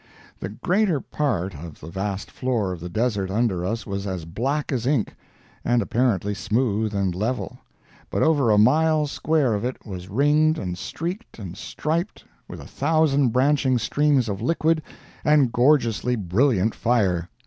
The greater part of the vast floor of the desert under us was as black as ink, and apparently smooth and level; but over a mile square of it was ringed and streaked and striped with a thousand branching streams of liquid and gorgeously brilliant fire!